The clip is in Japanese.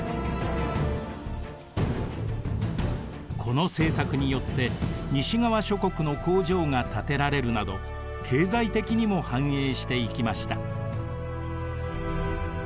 この政策によって西側諸国の工場が建てられるなど経済的にも繁栄していきました。